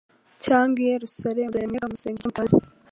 cyangwa i Yerusalemu. Dore mwebweho musenga icyo mutazi,